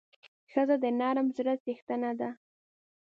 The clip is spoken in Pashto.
ښځه د نرم زړه څښتنه ده.